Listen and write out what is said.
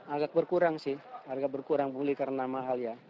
agak berkurang sih agak berkurang beli karena mahal ya